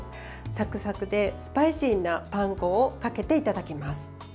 サクサクでスパイシーなパン粉をかけていただきます。